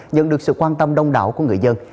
nhận được sự quan tâm đông đảo của người dân